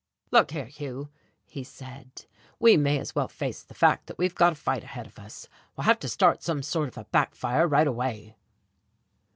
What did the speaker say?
"Look here, Hugh," he said, "we may as well face the fact that we've got a fight ahead of us, we'll have to start some sort of a back fire right away."